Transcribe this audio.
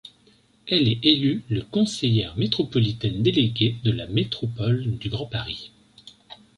Elle est élue le conseillère métropolitaine déléguée de la métropole du Grand Paris.